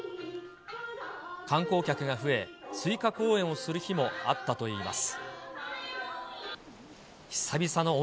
観光客が増え、追加公演をする日もあったといいます。